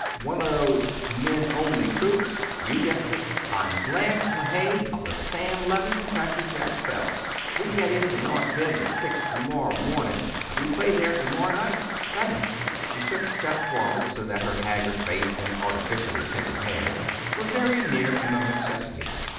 "One of those 'men only' troupes? You guessed it. I'm Blanche LeHaye, of the Sam Levin Crackerjack Belles. We get into North Bend at six to morrow morning, and we play there to morrow night, Sunday." She took a step forward so that her haggard face and artificially tinted hair were very near Emma McChesney.